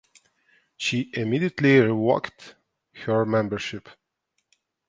She immediately revoked her membership.